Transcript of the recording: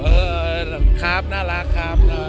เออครับน่ารักครับ